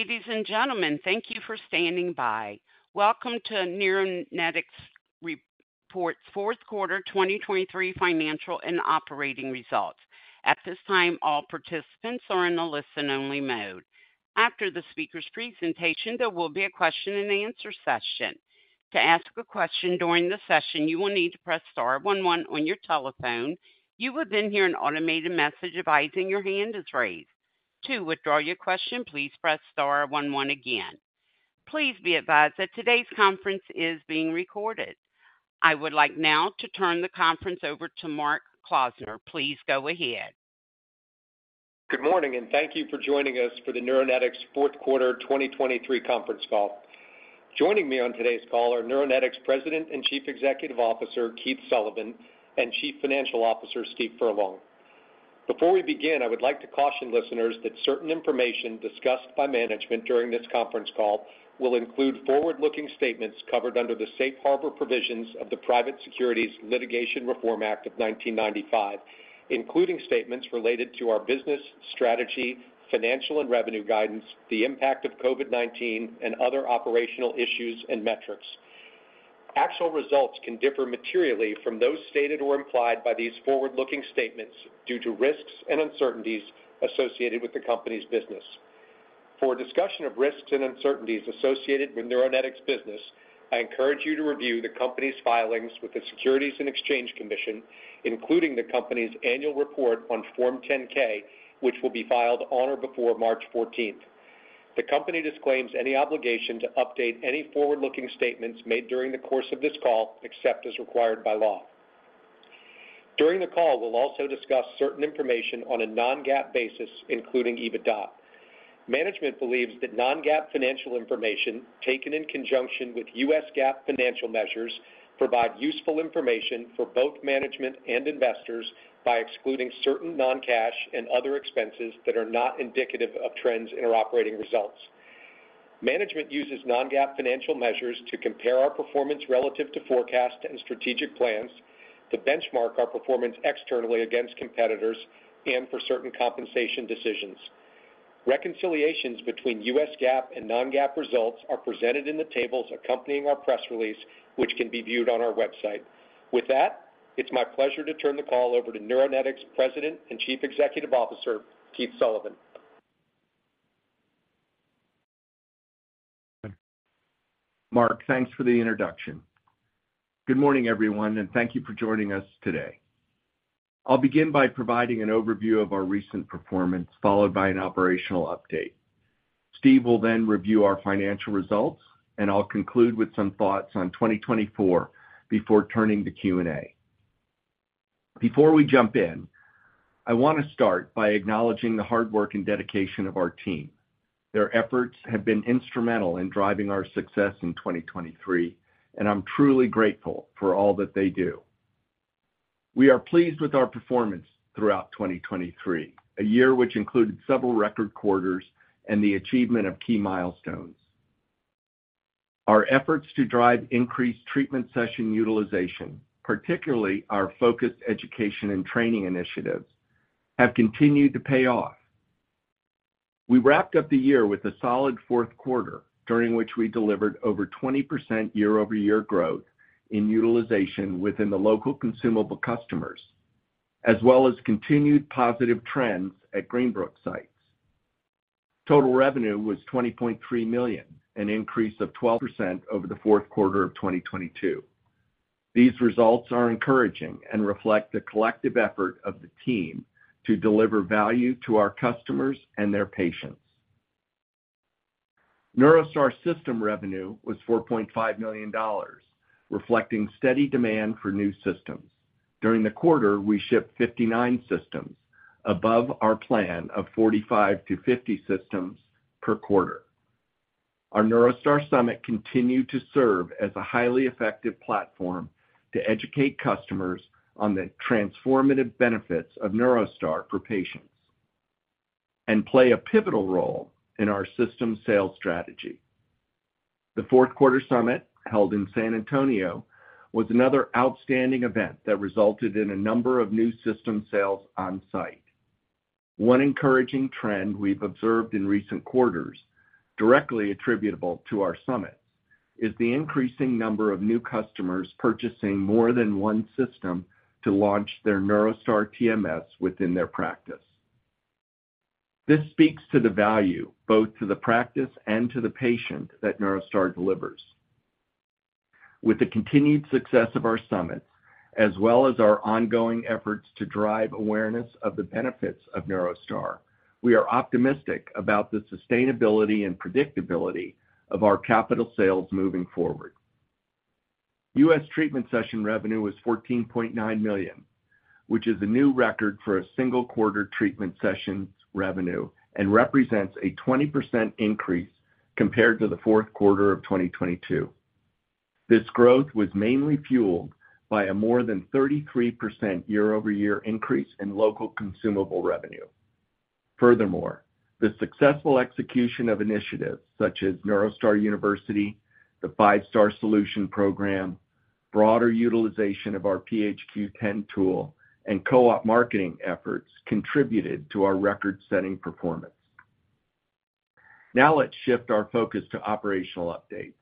Ladies and gentlemen, thank you for standing by. Welcome to Neuronetics' Fourth Quarter 2023 Financial and Operating Results. At this time, all participants are in a listen-only mode. After the speaker's presentation, there will be a question-and-answer session. To ask a question during the session, you will need to press star one one on your telephone. You will then hear an automated message advising your hand is raised. To withdraw your question, please press star one one again. Please be advised that today's conference is being recorded. I would like now to turn the conference over to Mark Klausner. Please go ahead. Good morning, and thank you for joining us for the Neuronetics Fourth Quarter 2023 Conference Call. Joining me on today's call are Neuronetics President and Chief Executive Officer, Keith Sullivan, and Chief Financial Officer, Steve Furlong. Before we begin, I would like to caution listeners that certain information discussed by management during this conference call will include forward-looking statements covered under the safe harbor provisions of the Private Securities Litigation Reform Act of 1995, including statements related to our business, strategy, financial and revenue guidance, the impact of COVID-19, and other operational issues and metrics. Actual results can differ materially from those stated or implied by these forward-looking statements due to risks and uncertainties associated with the company's business. For a discussion of risks and uncertainties associated with Neuronetics business, I encourage you to review the company's filings with the Securities and Exchange Commission, including the company's annual report on Form 10-K, which will be filed on or before March 14. The company disclaims any obligation to update any forward-looking statements made during the course of this call, except as required by law. During the call, we'll also discuss certain information on a non-GAAP basis, including EBITDA. Management believes that non-GAAP financial information, taken in conjunction with US GAAP financial measures, provide useful information for both management and investors by excluding certain non-cash and other expenses that are not indicative of trends in our operating results. Management uses non-GAAP financial measures to compare our performance relative to forecast and strategic plans, to benchmark our performance externally against competitors, and for certain compensation decisions. Reconciliations between U.S. GAAP and non-GAAP results are presented in the tables accompanying our press release, which can be viewed on our website. With that, it's my pleasure to turn the call over to Neuronetics President and Chief Executive Officer, Keith Sullivan. Mark, thanks for the introduction. Good morning, everyone, and thank you for joining us today. I'll begin by providing an overview of our recent performance, followed by an operational update. Steve will then review our financial results, and I'll conclude with some thoughts on 2024 before turning to Q&A. Before we jump in, I want to start by acknowledging the hard work and dedication of our team. Their efforts have been instrumental in driving our success in 2023, and I'm truly grateful for all that they do. We are pleased with our performance throughout 2023, a year which included several record quarters and the achievement of key milestones. Our efforts to drive increased treatment session utilization, particularly our focused education and training initiatives, have continued to pay off. We wrapped up the year with a solid fourth quarter, during which we delivered over 20% year-over-year growth in utilization within the local consumable customers, as well as continued positive trends at Greenbrook sites. Total revenue was $20.3 million, an increase of 12% over the fourth quarter of 2022. These results are encouraging and reflect the collective effort of the team to deliver value to our customers and their patients. NeuroStar system revenue was $4.5 million, reflecting steady demand for new systems. During the quarter, we shipped 59 systems, above our plan of 45-50 systems per quarter. Our NeuroStar Summit continued to serve as a highly effective platform to educate customers on the transformative benefits of NeuroStar for patients and play a pivotal role in our system sales strategy. The fourth quarter summit, held in San Antonio, was another outstanding event that resulted in a number of new system sales on site. One encouraging trend we've observed in recent quarters, directly attributable to our summits, is the increasing number of new customers purchasing more than one system to launch their NeuroStar TMS within their practice. This speaks to the value, both to the practice and to the patient, that NeuroStar delivers. With the continued success of our summits, as well as our ongoing efforts to drive awareness of the benefits of NeuroStar, we are optimistic about the sustainability and predictability of our capital sales moving forward. U.S. treatment session revenue was $14.9 million, which is a new record for a single quarter treatment sessions revenue and represents a 20% increase compared to the fourth quarter of 2022. This growth was mainly fueled by a more than 33% year-over-year increase in local consumable revenue. Furthermore, the successful execution of initiatives such as NeuroStar University, the 5-Star Solution program, broader utilization of our PHQ-10 tool and co-op marketing efforts contributed to our record-setting performance. Now let's shift our focus to operational updates.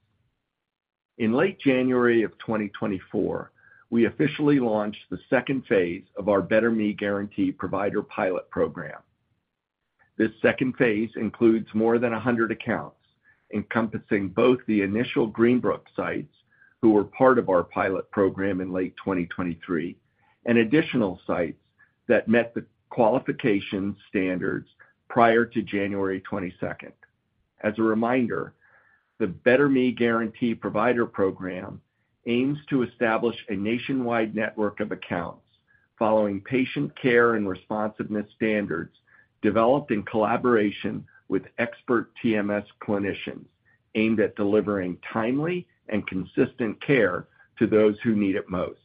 In late January of 2024, we officially launched the second phase of our BetterMe Guarantee Provider pilot program. This second phase includes more than 100 accounts, encompassing both the initial Greenbrook sites, who were part of our pilot program in late 2023, and additional sites that met the qualification standards prior to January 22nd. As a reminder, the BetterMe Guarantee Provider Program aims to establish a nationwide network of accounts following patient care and responsiveness standards developed in collaboration with expert TMS clinicians, aimed at delivering timely and consistent care to those who need it most.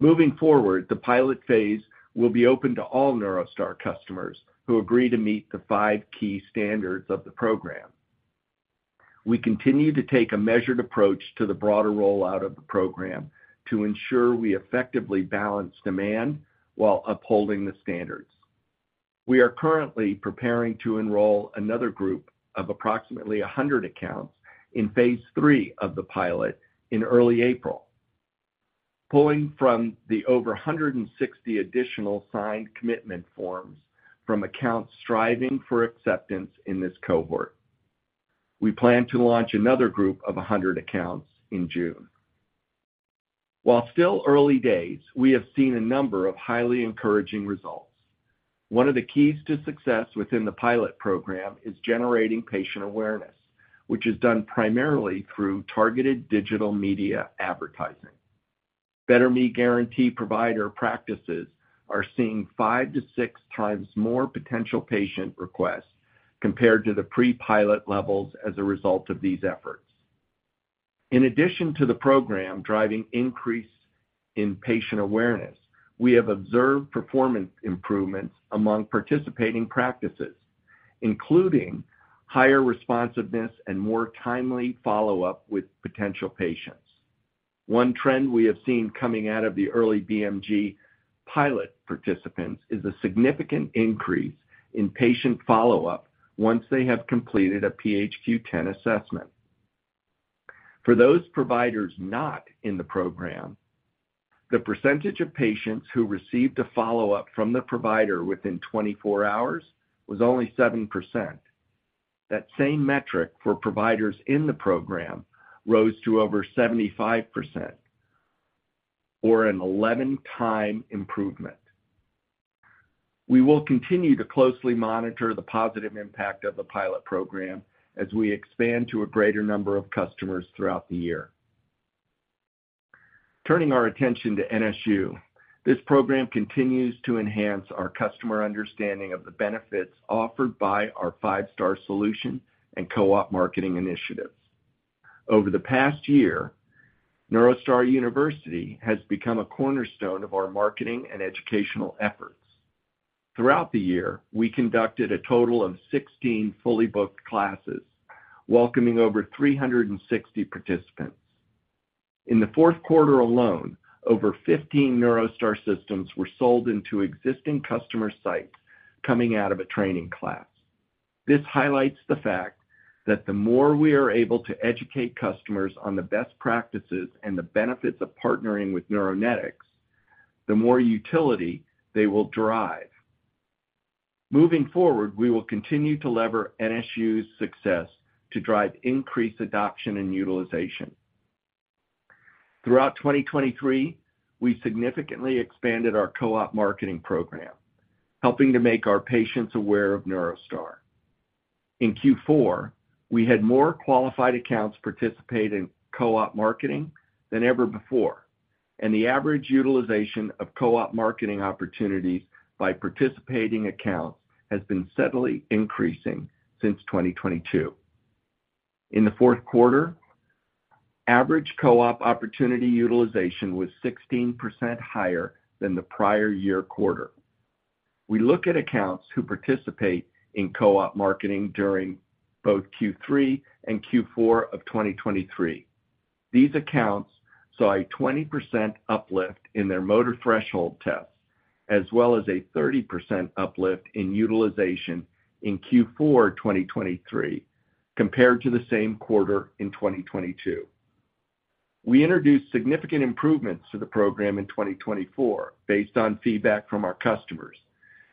Moving forward, the pilot phase will be open to all NeuroStar customers who agree to meet the five key standards of the program. We continue to take a measured approach to the broader rollout of the program to ensure we effectively balance demand while upholding the standards. We are currently preparing to enroll another group of approximately 100 accounts in phase III of the pilot in early April, pulling from the over 160 additional signed commitment forms from accounts striving for acceptance in this cohort. We plan to launch another group of 100 accounts in June. While still early days, we have seen a number of highly encouraging results. One of the keys to success within the pilot program is generating patient awareness, which is done primarily through targeted digital media advertising. BetterMe Guarantee provider practices are seeing 5-6 times more potential patient requests compared to the pre-pilot levels as a result of these efforts. In addition to the program driving increase in patient awareness, we have observed performance improvements among participating practices, including higher responsiveness and more timely follow-up with potential patients. One trend we have seen coming out of the early BMG pilot participants is a significant increase in patient follow-up once they have completed a PHQ-10 assessment. For those providers not in the program, the percentage of patients who received a follow-up from the provider within 24 hours was only 7%. That same metric for providers in the program rose to over 75%, or an 11-time improvement. We will continue to closely monitor the positive impact of the pilot program as we expand to a greater number of customers throughout the year. Turning our attention to NSU, this program continues to enhance our customer understanding of the benefits offered by our Five Star Solution and co-op marketing initiatives. Over the past year, NeuroStar University has become a cornerstone of our marketing and educational efforts. Throughout the year, we conducted a total of 16 fully booked classes, welcoming over 360 participants. In the fourth quarter alone, over 15 NeuroStar systems were sold into existing customer sites coming out of a training class. This highlights the fact that the more we are able to educate customers on the best practices and the benefits of partnering with Neuronetics, the more utility they will drive. Moving forward, we will continue to leverage NSU's success to drive increased adoption and utilization. Throughout 2023, we significantly expanded our co-op marketing program, helping to make our patients aware of NeuroStar. In Q4, we had more qualified accounts participate in co-op marketing than ever before, and the average utilization of co-op marketing opportunities by participating accounts has been steadily increasing since 2022. In the fourth quarter, average co-op opportunity utilization was 16% higher than the prior year quarter. We look at accounts who participate in co-op marketing during both Q3 and Q4 of 2023. These accounts saw a 20% uplift in their motor threshold tests, as well as a 30% uplift in utilization in Q4 2023, compared to the same quarter in 2022. We introduced significant improvements to the program in 2024 based on feedback from our customers,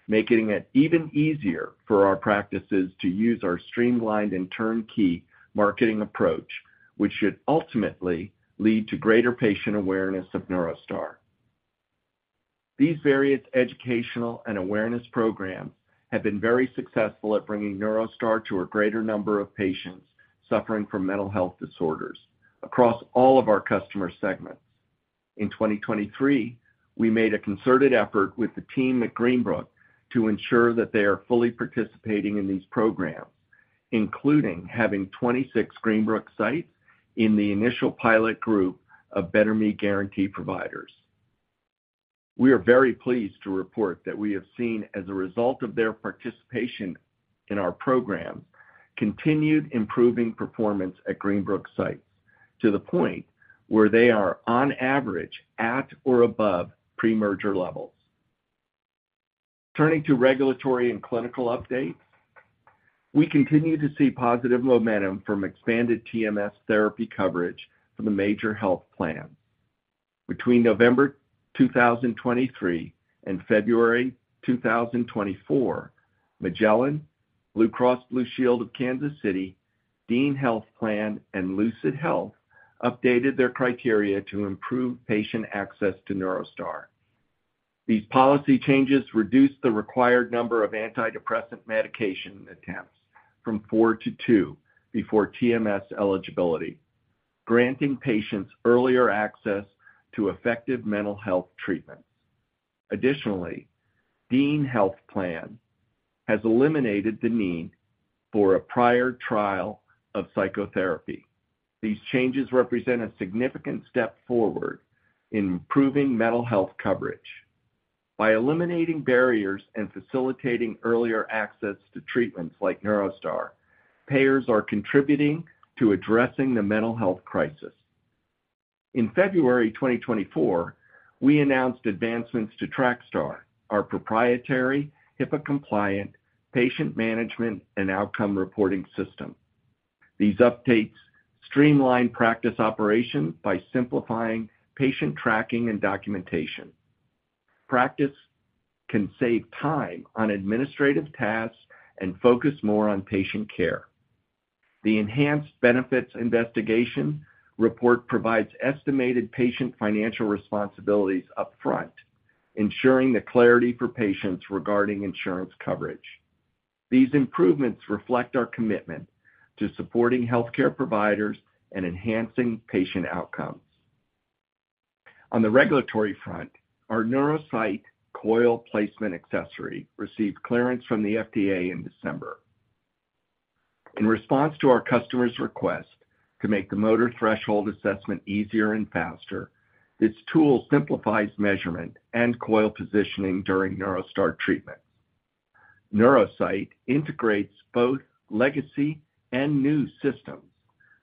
making it even easier for our practices to use our streamlined and turnkey marketing approach, which should ultimately lead to greater patient awareness of NeuroStar. These various educational and awareness programs have been very successful at bringing NeuroStar to a greater number of patients suffering from mental health disorders across all of our customer segments. In 2023, we made a concerted effort with the team at Greenbrook to ensure that they are fully participating in these programs, including having 26 Greenbrook sites in the initial pilot group of BetterMe Guarantee providers. We are very pleased to report that we have seen, as a result of their participation in our program, continued improving performance at Greenbrook sites, to the point where they are, on average, at or above pre-merger levels. Turning to regulatory and clinical updates, we continue to see positive momentum from expanded TMS therapy coverage from the major health plans. Between November 2023 and February 2024, Magellan Health, Blue Cross and Blue Shield of Kansas City, Dean Health Plan, and Lucet updated their criteria to improve patient access to NeuroStar. These policy changes reduced the required number of antidepressant medication attempts from 4 to 2 before TMS eligibility, granting patients earlier access to effective mental health treatments. Additionally, Dean Health Plan has eliminated the need for a prior trial of psychotherapy. These changes represent a significant step forward in improving mental health coverage. By eliminating barriers and facilitating earlier access to treatments like NeuroStar, payers are contributing to addressing the mental health crisis. In February 2024, we announced advancements to TrakStar, our proprietary, HIPAA-compliant patient management and outcome reporting system. These updates streamline practice operations by simplifying patient tracking and documentation. Practice can save time on administrative tasks and focus more on patient care. The enhanced benefits investigation report provides estimated patient financial responsibilities upfront, ensuring the clarity for patients regarding insurance coverage. These improvements reflect our commitment to supporting healthcare providers and enhancing patient outcomes. On the regulatory front, our NeuroSite coil placement accessory received clearance from the FDA in December. In response to our customer's request to make the Motor Threshold assessment easier and faster, this tool simplifies measurement and coil positioning during NeuroStar treatment. NeuroSite integrates both legacy and new systems.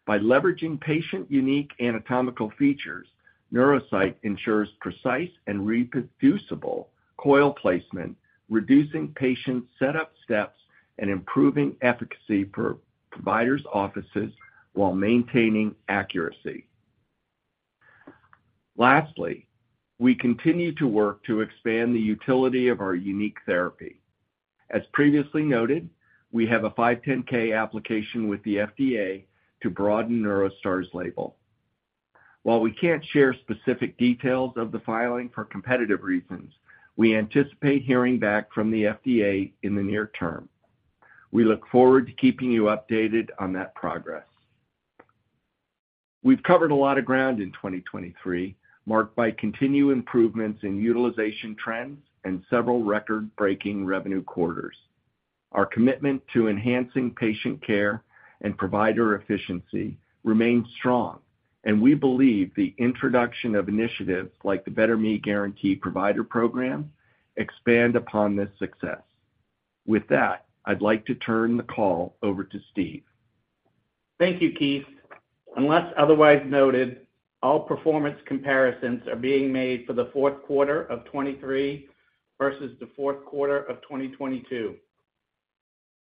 By leveraging patient-unique anatomical features, NeuroSite ensures precise and reproducible coil placement, reducing patient setup steps and improving efficacy for providers' offices while maintaining accuracy. Lastly, we continue to work to expand the utility of our unique therapy. As previously noted, we have a 510(k) application with the FDA to broaden NeuroStar's label. While we can't share specific details of the filing for competitive reasons, we anticipate hearing back from the FDA in the near term. We look forward to keeping you updated on that progress. We've covered a lot of ground in 2023, marked by continued improvements in utilization trends and several record-breaking revenue quarters. Our commitment to enhancing patient care and provider efficiency remains strong, and we believe the introduction of initiatives like the BetterMe Guarantee Provider Program expand upon this success. With that, I'd like to turn the call over to Steve. Thank you, Keith. Unless otherwise noted, all performance comparisons are being made for the fourth quarter of 2023 versus the fourth quarter of 2022.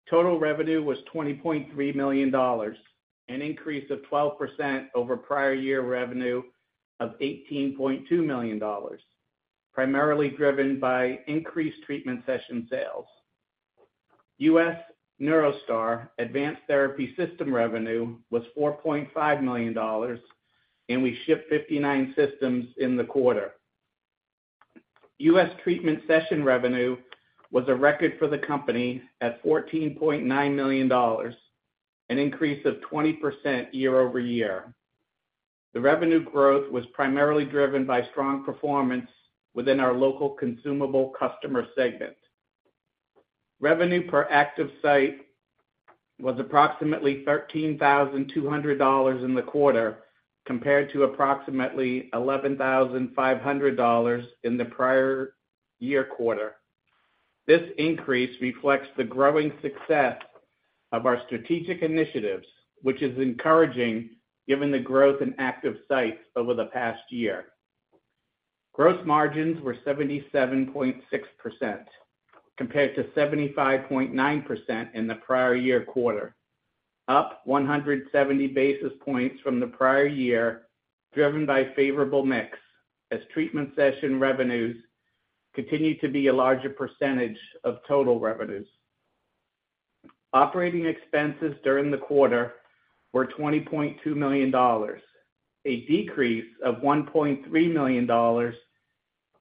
Total revenue was $20.3 million, an increase of 12% over prior year revenue of $18.2 million, primarily driven by increased treatment session sales. U.S. NeuroStar Advanced Therapy System revenue was $4.5 million, and we shipped 59 systems in the quarter. U.S. treatment session revenue was a record for the company at $14.9 million, an increase of 20% year-over-year. The revenue growth was primarily driven by strong performance within our local consumable customer segment. Revenue per active site was approximately $13,200 in the quarter, compared to approximately $11,500 in the prior year quarter. This increase reflects the growing success of our strategic initiatives, which is encouraging given the growth in active sites over the past year. Gross margins were 77.6%, compared to 75.9% in the prior year quarter, up 170 basis points from the prior year, driven by favorable mix, as treatment session revenues continue to be a larger percentage of total revenues. Operating expenses during the quarter were $20.2 million, a decrease of $1.3 million, or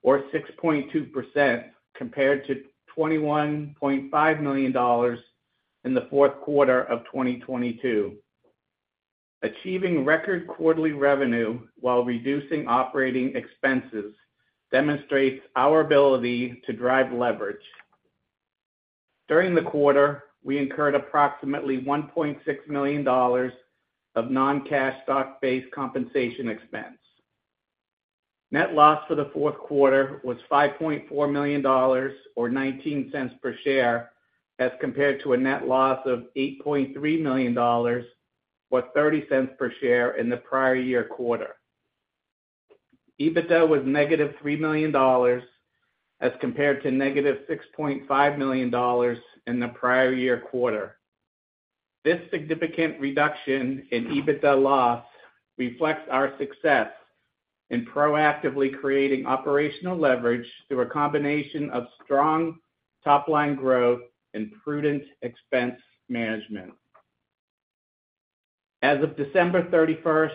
6.2%, compared to $21.5 million in the fourth quarter of 2022. Achieving record quarterly revenue while reducing operating expenses demonstrates our ability to drive leverage. During the quarter, we incurred approximately $1.6 million of non-cash stock-based compensation expense. Net loss for the fourth quarter was $5.4 million, or $0.19 per share, as compared to a net loss of $8.3 million, or $0.30 per share in the prior year quarter. EBITDA was -$3 million as compared to -$6.5 million in the prior year quarter. This significant reduction in EBITDA loss reflects our success in proactively creating operational leverage through a combination of strong top line growth and prudent expense management. As of December 31st,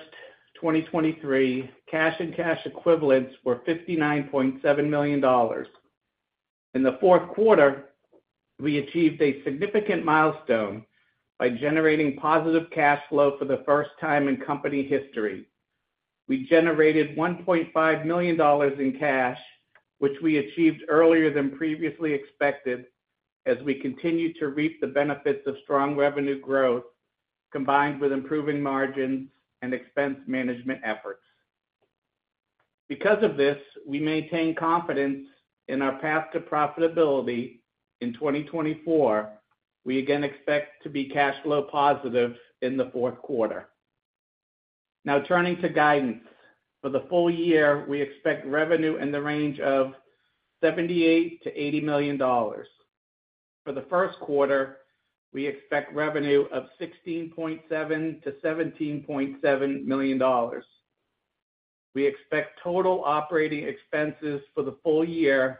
2023, cash and cash equivalents were $59.7 million. In the fourth quarter, we achieved a significant milestone by generating positive cash flow for the first time in company history. We generated $1.5 million in cash, which we achieved earlier than previously expected, as we continue to reap the benefits of strong revenue growth, combined with improving margins and expense management efforts. Because of this, we maintain confidence in our path to profitability. In 2024, we again expect to be cash flow positive in the fourth quarter. Now, turning to guidance. For the full year, we expect revenue in the range of $78-$80 million. For the first quarter, we expect revenue of $16.7-$17.7 million. We expect total operating expenses for the full year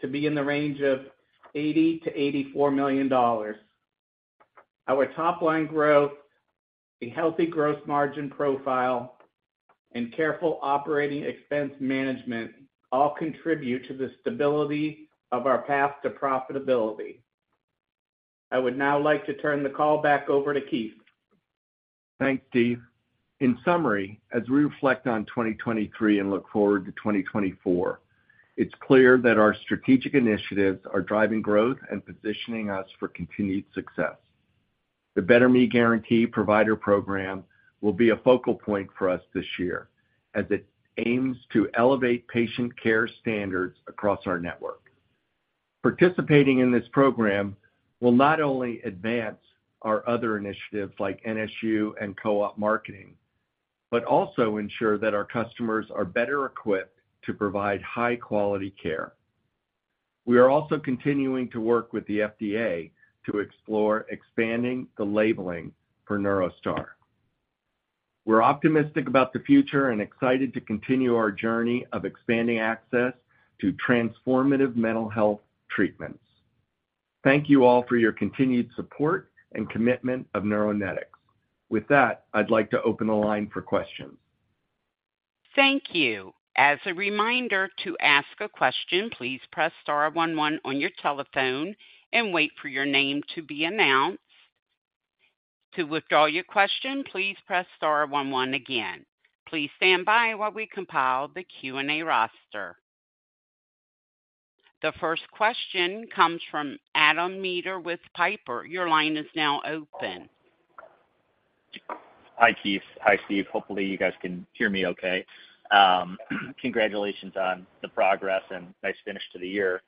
to be in the range of $80-$84 million. Our top line growth, a healthy gross margin profile, and careful operating expense management all contribute to the stability of our path to profitability. I would now like to turn the call back over to Keith. Thanks, Steve. In summary, as we reflect on 2023 and look forward to 2024, it's clear that our strategic initiatives are driving growth and positioning us for continued success. The BetterMe Guarantee Provider Program will be a focal point for us this year, as it aims to elevate patient care standards across our network. Participating in this program will not only advance our other initiatives, like NSU and co-op marketing, but also ensure that our customers are better equipped to provide high-quality care. We are also continuing to work with the FDA to explore expanding the labeling for NeuroStar. We're optimistic about the future and excited to continue our journey of expanding access to transformative mental health treatments. Thank you all for your continued support and commitment to Neuronetics. With that, I'd like to open the line for questions. Thank you. As a reminder, to ask a question, please press star one one on your telephone and wait for your name to be announced. To withdraw your question, please press star one one again. Please stand by while we compile the Q&A roster. The first question comes from Adam Maeder with Piper. Your line is now open. Hi, Keith. Hi, Steve. Hopefully, you guys can hear me okay. Congratulations on the progress and nice finish to the year.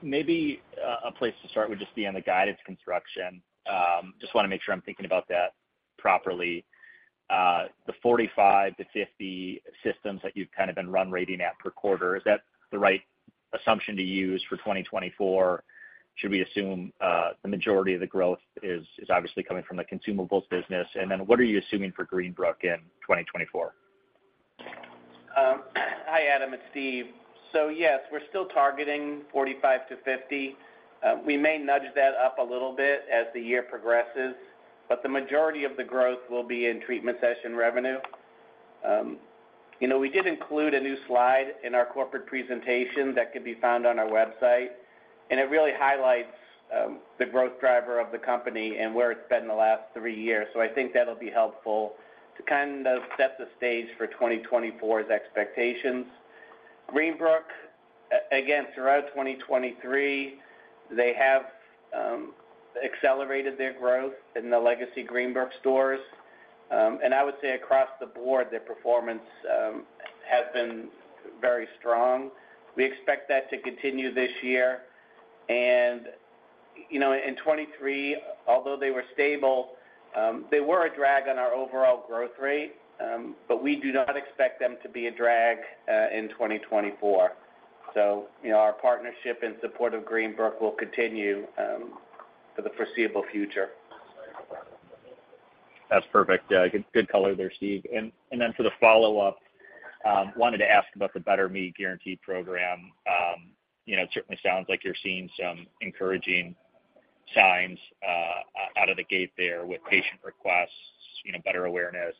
Maybe a place to start would just be on the guidance construction. Just wanna make sure I'm thinking about that properly. The 45-50 systems that you've kind of been run rating at per quarter, is that the right assumption to use for 2024? Should we assume the majority of the growth is obviously coming from the consumables business? And then what are you assuming for Greenbrook in 2024? Hi, Adam, it's Steve. So yes, we're still targeting 45-50. We may nudge that up a little bit as the year progresses, but the majority of the growth will be in treatment session revenue. You know, we did include a new slide in our corporate presentation that could be found on our website, and it really highlights the growth driver of the company and where it's been in the last three years. So I think that'll be helpful to kind of set the stage for 2024's expectations. Greenbrook, again, throughout 2023, they have accelerated their growth in the legacy Greenbrook stores. And I would say across the board, their performance has been very strong. We expect that to continue this year. You know, in 2023, although they were stable, they were a drag on our overall growth rate, but we do not expect them to be a drag in 2024. So, you know, our partnership in support of Greenbrook will continue for the foreseeable future. That's perfect. Yeah, good, good color there, Steve. And then for the follow-up, wanted to ask about the BetterMe Guarantee Program. You know, it certainly sounds like you're seeing some encouraging signs out of the gate there with patient requests, you know, better awareness,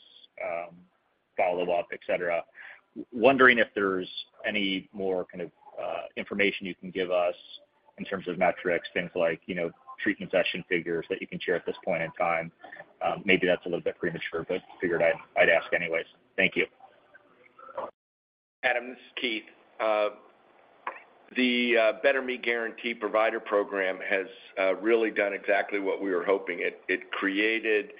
follow-up, et cetera. Wondering if there's any more kind of information you can give us in terms of metrics, things like, you know, treatment session figures that you can share at this point in time. Maybe that's a little bit premature, but figured I'd ask anyways. Thank you.... Adam, this is Keith. The BetterMe Guarantee Provider Program has really done exactly what we were hoping. It created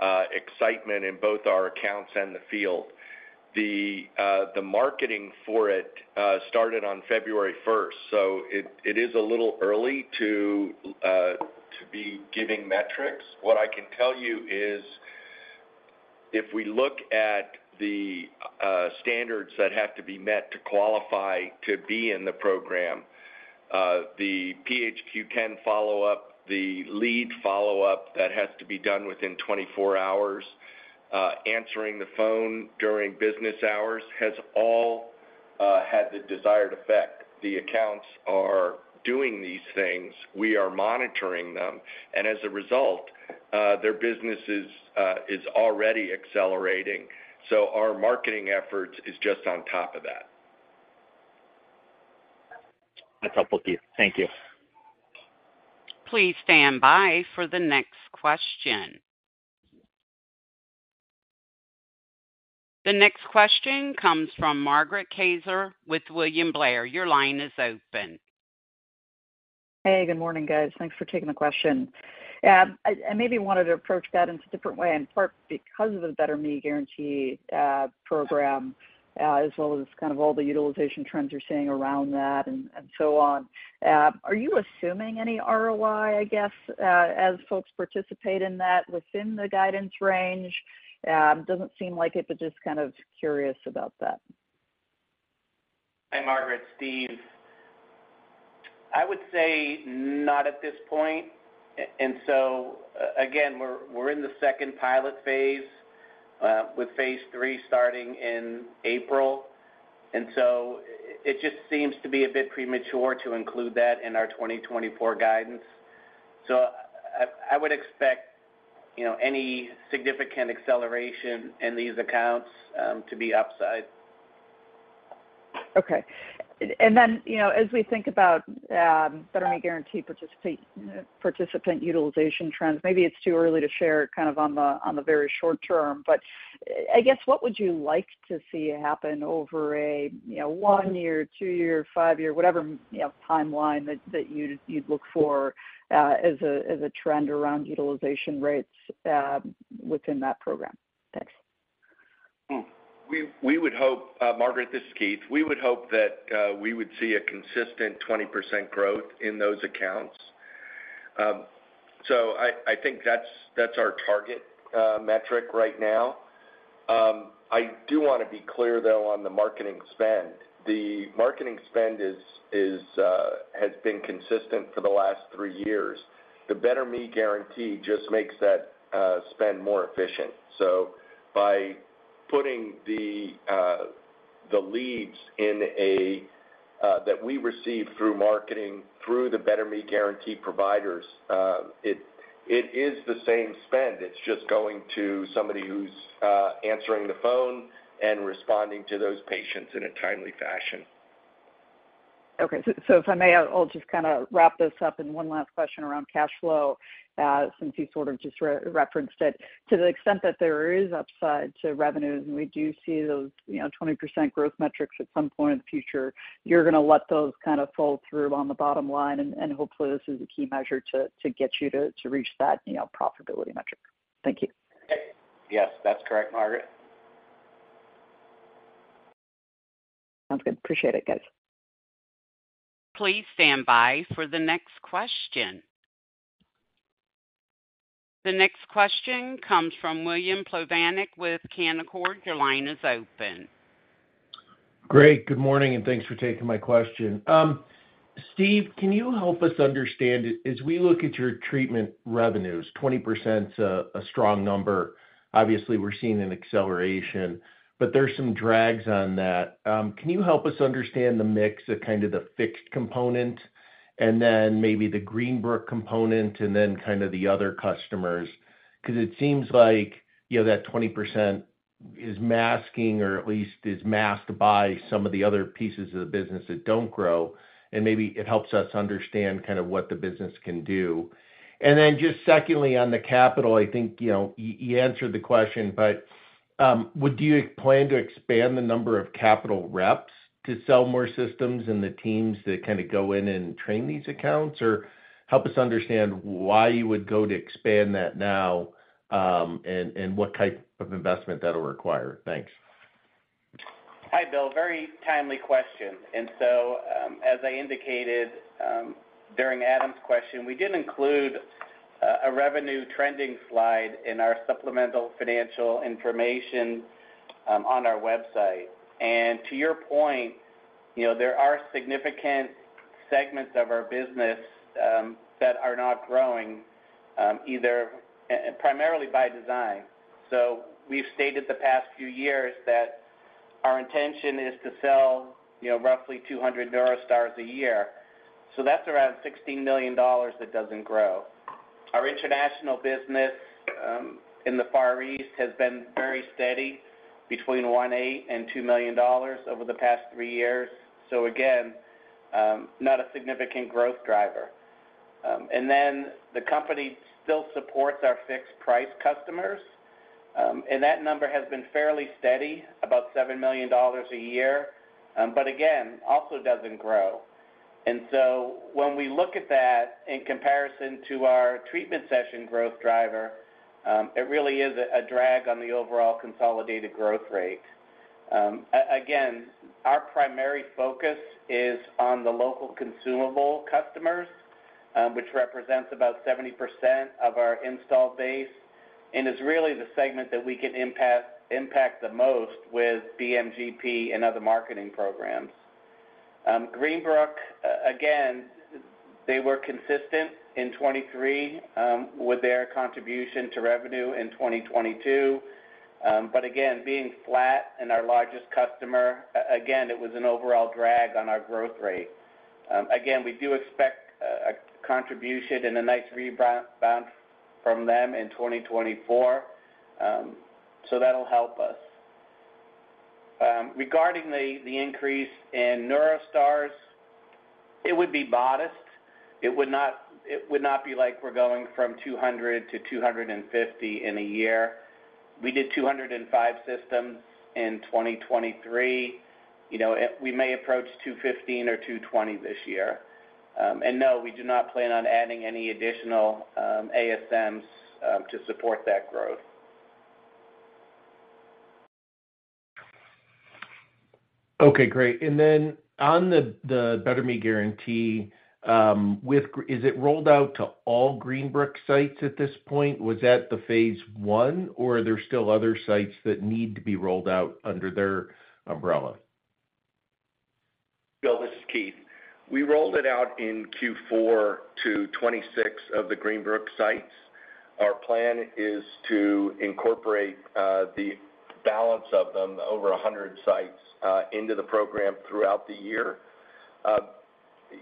excitement in both our accounts and the field. The marketing for it started on February first, so it is a little early to be giving metrics. What I can tell you is, if we look at the standards that have to be met to qualify to be in the program, the PHQ-10 follow-up, the lead follow-up that has to be done within 24 hours, answering the phone during business hours, has all had the desired effect. The accounts are doing these things. We are monitoring them, and as a result, their business is already accelerating. So our marketing effort is just on top of that. That's helpful, Keith. Thank you. Please stand by for the next question. The next question comes from Margaret Kaczor with William Blair. Your line is open. Hey, good morning, guys. Thanks for taking the question. I maybe wanted to approach that in a different way, in part, because of the Better Me Guarantee program, as well as kind of all the utilization trends you're seeing around that and so on. Are you assuming any ROI, I guess, as folks participate in that within the guidance range? Doesn't seem like it, but just kind of curious about that. Hi, Margaret, Steve. I would say not at this point. And so, again, we're in the second pilot phase, with phase III starting in April, and so it just seems to be a bit premature to include that in our 2024 guidance. So I would expect, you know, any significant acceleration in these accounts to be upside. Okay. And then, you know, as we think about BetterMe Guarantee participant utilization trends, maybe it's too early to share kind of on the, on the very short term, but I guess, what would you like to see happen over a, you know, one year, two year, five year, whatever, you know, timeline that you'd look for as a trend around utilization rates within that program? Thanks. We would hope, Margaret, this is Keith. We would hope that we would see a consistent 20% growth in those accounts. So I think that's our target metric right now. I do wanna be clear, though, on the marketing spend. The marketing spend has been consistent for the last three years. The BetterMe Guarantee just makes that spend more efficient. So by putting the leads that we receive through marketing through the BetterMe Guarantee providers, it is the same spend. It's just going to somebody who's answering the phone and responding to those patients in a timely fashion. Okay. So if I may, I'll just kind of wrap this up in one last question around cash flow, since you sort of just referenced it. To the extent that there is upside to revenues, and we do see those, you know, 20% growth metrics at some point in the future, you're gonna let those kind of fall through on the bottom line, and hopefully, this is a key measure to get you to reach that, you know, profitability metric. Thank you. Yes, that's correct, Margaret. Sounds good. Appreciate it, guys. Please stand by for the next question. The next question comes from William Plovanic with Canaccord. Your line is open. Great, good morning, and thanks for taking my question. Steve, can you help us understand, as we look at your treatment revenues, 20%'s a, a strong number. Obviously, we're seeing an acceleration, but there's some drags on that. Can you help us understand the mix of kind of the fixed component, and then maybe the Greenbrook component, and then kind of the other customers? Because it seems like, you know, that 20% is masking or at least is masked by some of the other pieces of the business that don't grow, and maybe it helps us understand kind of what the business can do. And then just secondly, on the capital, I think, you know, you answered the question, but, would you plan to expand the number of capital reps to sell more systems in the teams that kind of go in and train these accounts? Or help us understand why you would go to expand that now, and what type of investment that'll require. Thanks. Hi, Bill, very timely question. So, as I indicated, during Adam's question, we did include a revenue trending slide in our supplemental financial information on our website. And to your point, you know, there are significant segments of our business that are not growing, either, primarily by design. So we've stated the past few years that our intention is to sell, you know, roughly 200 NeuroStars a year. So that's around $16 million that doesn't grow. Our international business in the Far East has been very steady between $1.8 million and $2 million over the past three years. So again, not a significant growth driver. Then the company still supports our fixed-price customers, and that number has been fairly steady, about $7 million a year. But again, also doesn't grow. When we look at that in comparison to our treatment session growth driver, it really is a drag on the overall consolidated growth rate. Again, our primary focus is on the local consumable customers, which represents about 70% of our install base, and is really the segment that we can impact the most with BMGP and other marketing programs. Greenbrook, again, they were consistent in 2023 with their contribution to revenue in 2022. But again, being flat and our largest customer, again, it was an overall drag on our growth rate. Again, we do expect a contribution and a nice rebound from them in 2024. So that'll help us. Regarding the increase in NeuroStars, it would be modest. It would not, it would not be like we're going from 200-250 in a year. We did 205 systems in 2023. You know, we may approach 215 or 220 this year. And no, we do not plan on adding any additional ASMs to support that growth. Okay, great. And then on the BetterMe Guarantee with Greenbrook, is it rolled out to all Greenbrook sites at this point? Was that the phase I, or are there still other sites that need to be rolled out under their umbrella? Bill, this is Keith. We rolled it out in Q4 to 2026 of the Greenbrook sites. Our plan is to incorporate the balance of them, over 100 sites, into the program throughout the year.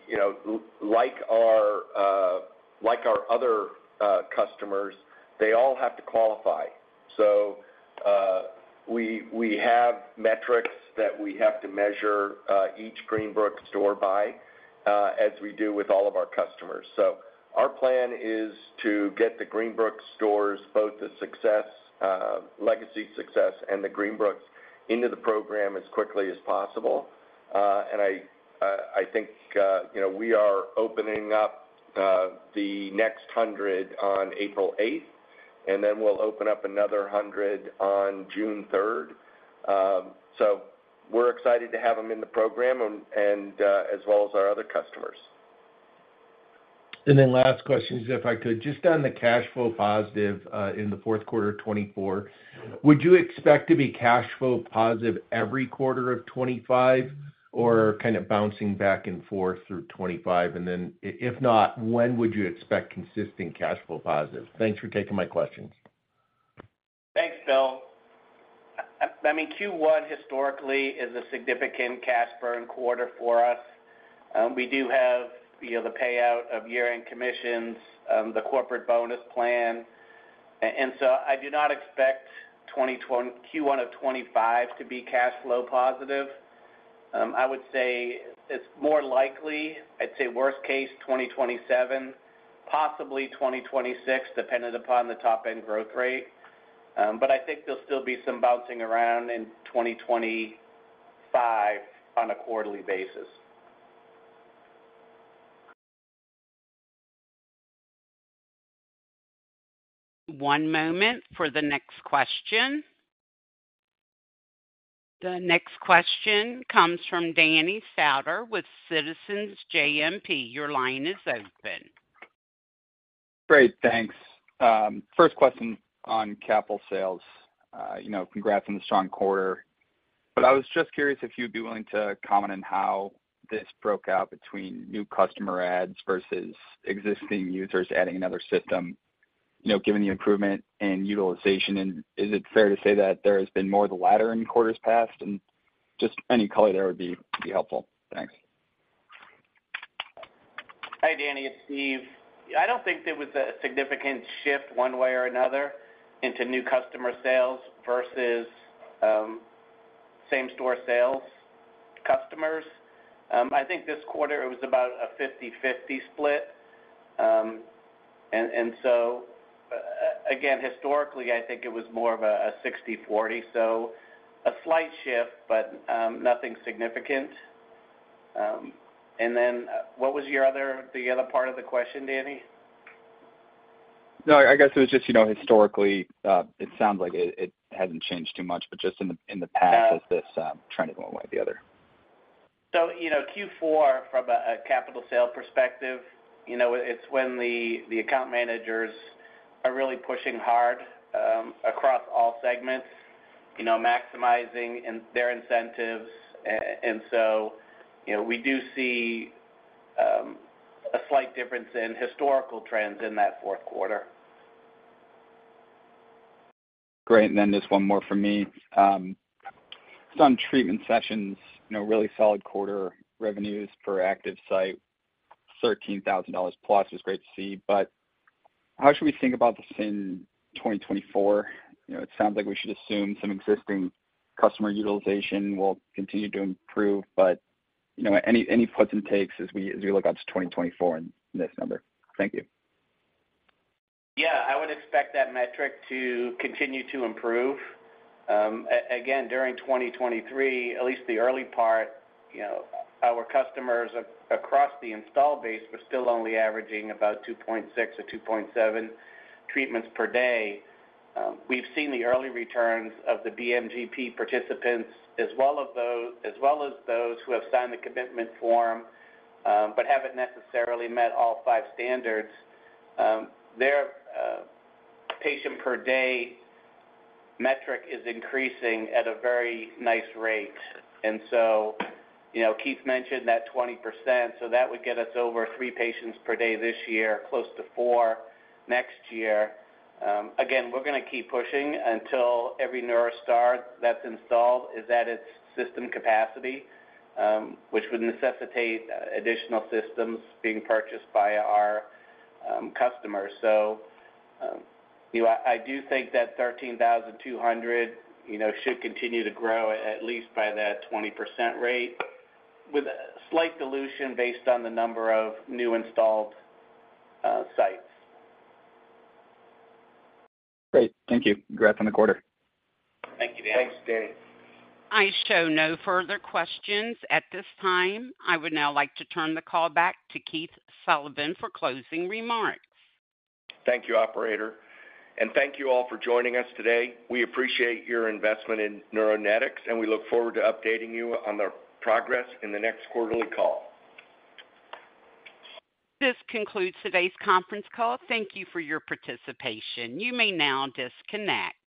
You know, like our, like our other customers, they all have to qualify. So, we have metrics that we have to measure each Greenbrook store by, as we do with all of our customers. So our plan is to get the Greenbrook stores, both the Legacy Success and the Greenbrooks into the program as quickly as possible. And I think, you know, we are opening up the next 100 on April 8th, and then we'll open up another 100 on June 3rd. So we're excited to have them in the program and as well as our other customers. And then last question, if I could, just on the cash flow positive in the fourth quarter of 2024, would you expect to be cash flow positive every quarter of 2025, or kind of bouncing back and forth through 2025? And then if not, when would you expect consistent cash flow positive? Thanks for taking my questions. Thanks, Bill. I mean, Q1 historically is a significant cash burn quarter for us. We do have, you know, the payout of year-end commissions, the corporate bonus plan, and so I do not expect Q1 of 2025 to be cash flow positive. I would say it's more likely, I'd say worst case, 2027, possibly 2026, dependent upon the top-end growth rate. But I think there'll still be some bouncing around in 2025 on a quarterly basis. One moment for the next question. The next question comes from Danny Stauder with Citizens JMP. Your line is open. Great, thanks. First question on capital sales. You know, congrats on the strong quarter, but I was just curious if you'd be willing to comment on how this broke out between new customer adds versus existing users adding another system, you know, given the improvement in utilization, and is it fair to say that there has been more of the latter in quarters past? And just any color there would be helpful. Thanks. Hi, Danny, it's Steve. I don't think there was a significant shift one way or another into new customer sales versus same store sales customers. I think this quarter it was about a 50/50 split. And so, again, historically, I think it was more of a 60/40, so a slight shift, but nothing significant. And then, what was your other, the other part of the question, Danny? No, I guess it was just, you know, historically, it sounds like it, it hasn't changed too much, but just in the, in the past- Yeah. Has this trend gone one way or the other? So, you know, Q4, from a capital sales perspective, you know, it's when the account managers are really pushing hard across all segments, you know, maximizing in their incentives. And so, you know, we do see a slight difference in historical trends in that fourth quarter. Great. And then just one more from me. Just on treatment sessions, you know, really solid quarter revenues per active site, $13,000 plus is great to see, but, how should we think about this in 2024? You know, it sounds like we should assume some existing customer utilization will continue to improve, but, you know, any, any puts and takes as we, as we look out to 2024 in this number? Thank you. Yeah, I would expect that metric to continue to improve. Again, during 2023, at least the early part, you know, our customers across the install base were still only averaging about 2.6 or 2.7 treatments per day. We've seen the early returns of the BMGP participants as well as those who have signed the commitment form, but haven't necessarily met all five standards. Their patient per day metric is increasing at a very nice rate. And so, you know, Keith mentioned that 20%, so that would get us over three patients per day this year, close to four next year. Again, we're gonna keep pushing until every NeuroStar that's installed is at its system capacity, which would necessitate additional systems being purchased by our customers. So, you know, I do think that 13,200, you know, should continue to grow at least by that 20% rate, with a slight dilution based on the number of new installed sites. Great. Thank you. Congrats on the quarter. Thank you, Danny. Thanks, Danny. I show no further questions at this time. I would now like to turn the call back to Keith Sullivan for closing remarks. Thank you, operator, and thank you all for joining us today. We appreciate your investment in Neuronetics, and we look forward to updating you on the progress in the next quarterly call. This concludes today's conference call. Thank you for your participation. You may now disconnect.